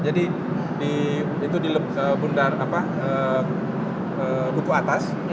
jadi itu di bundar huku atas